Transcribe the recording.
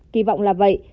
kỳ vọng là vậy